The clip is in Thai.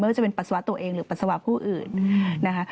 ว่าจะเป็นปัสสาวะตัวเองหรือปัสสาวะผู้อื่นนะคะ